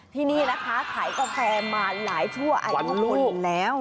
ที่นี่นะคะขายกาแฟมาหลายชั่วอายุคนแล้ว